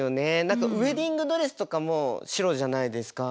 何かウエディングドレスとかも白じゃないですか。